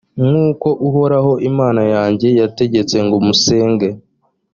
nk’uko uhoraho imana yanjye yategetse ngo musenge